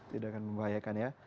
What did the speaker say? tidak akan membahayakan ya